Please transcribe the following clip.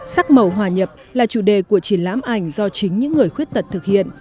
sắc màu hòa nhập là chủ đề của triển lãm ảnh do chính những người khuyết tật thực hiện